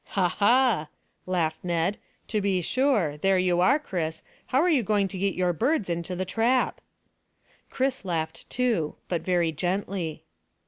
"Ha, ha!" laughed Ned. "To be sure. There you are, Chris: how are you going to get your birds into the trap?" Chris laughed too, but very gently.